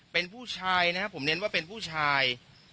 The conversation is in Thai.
เป็นผู้ชายนะครับผมเน้นว่าเป็นผู้ชาย